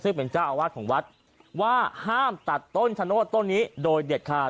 ซึ่งเป็นเจ้าอาวาสของวัดว่าห้ามตัดต้นชะโนธต้นนี้โดยเด็ดขาด